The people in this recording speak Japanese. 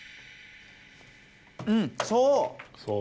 うんそう。